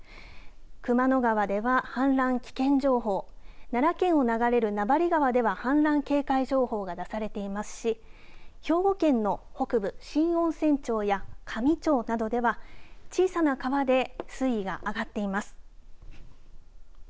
熊野川では氾濫危険情報、奈良県を流れる名張川では氾濫警戒情報が出されていますし兵庫県の北部、新温泉町や加美町などでは小さな川で水位が上がっています。